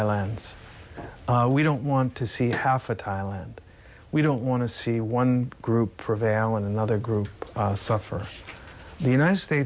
เพราะเราไม่อยากเห็นท่าทายเราไม่อยากเห็นครั้งท้าย